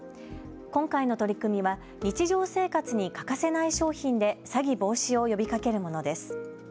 今回の取り組みは日常生活に欠かせない商品で詐欺防止を呼びかけるものです。